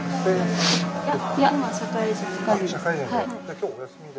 今日お休みで？